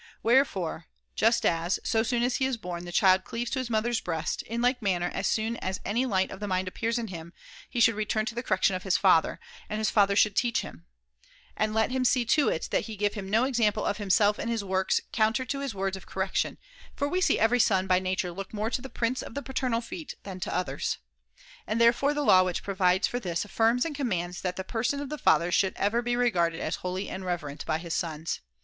Wherefore, just as, so soon as he is born, the child cleaves to his mother's breast, in like manner, as soon as any light of the mind appears in him, he should turn to the correction of his father, and his father should teach him ; and let him see to it that he give him no example of himself in his works counter to his words of correction, for we see every son by nature look more to the prints of the paternal feet than to others. And therefore the law which provides for this affirms and commands that the person of the father should ever [^1603 be regarded as holy and reverent by his sons.